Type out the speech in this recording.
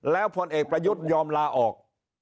แล้วพลเอกประยุทธ์ยอมลาออก